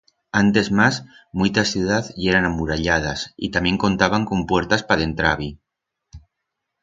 Antes mas, muitas ciudaz yeran amuralladas y tamién contaban con puertas pa dentrar-bi.